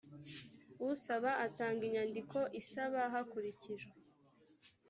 usaba atanga inyandiko isaba hakurikijwe